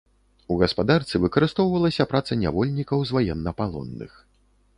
У гаспадарцы выкарыстоўвалася праца нявольнікаў з ваеннапалонных.